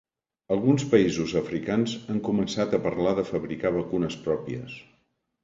Alguns països africans han començat a parlar de fabricar vacunes pròpies.